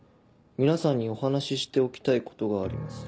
皆さんにお話ししておきたいことがあります。